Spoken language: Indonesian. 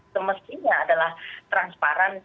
semestinya adalah transparan